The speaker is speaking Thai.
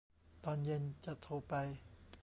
ตอนเย็นจะโทรไป